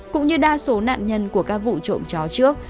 cũng như đa số nạn nhân của các vụ trộm chó trước